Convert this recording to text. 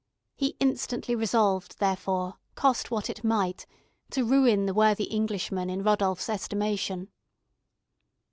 He instantly resolved, therefore, cost what it might, to ruin the worthy Englishman in Rodolph's estimation.